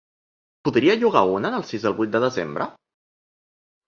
Podria llogar una del sis al vuit de desembre?